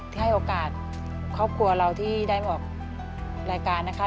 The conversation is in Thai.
ให้โอกาสครอบครัวเราที่ได้ออกรายการนะคะ